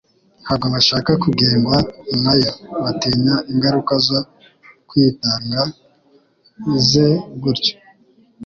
Ntabwo bashaka kugengwa na yo batinya ingaruka zo kwitanga ze gutyo.